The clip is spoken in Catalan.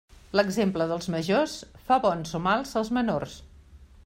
L'exemple dels majors, fa bons o mals als menors.